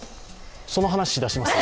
その話、し出します？